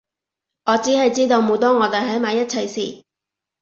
我只係知道每當我哋喺埋一齊時